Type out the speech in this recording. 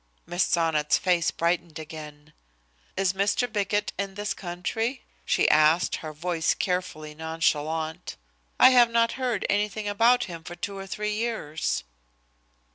Miss Sonnet's face brightened again. "Is Mr. Bickett in this country? " she asked, her voice carefully nonchalant. "I have not heard anything about him for two or three years."